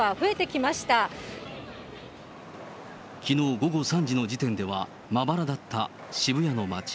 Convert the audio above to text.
きのう午後３時の時点ではまばらだった渋谷の街。